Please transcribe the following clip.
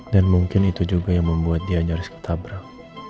dan mungkin itu juga yang membuat dia nyaris ketabrak